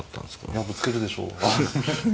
いやぶつけるでしょう。